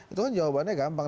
itu kan jawabannya gampang